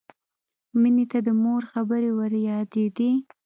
مینې ته د مور خبرې وریادېدې